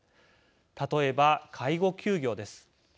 例えば、介護休業です。